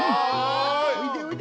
おいでおいで。